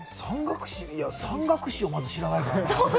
山岳史をまず知らないからな。